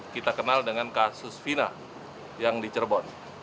kita kenal dengan kasus vina yang dicerbon